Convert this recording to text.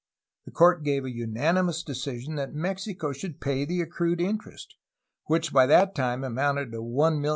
The court gave a unanimous decision that Mexico should pay the accrued interest, which by that time amounted to $1,420,682.